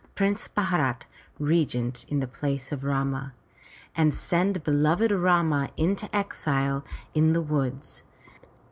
Prince Bharat, regent in the place of Rama, and send beloved Rama into exile in the woods.